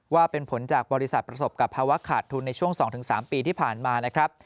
ว่าเป็นผลจากบริษัทประสบกับภาวะขาดทุนในช่วง๒๓ปีที่ผ่านมานะครับ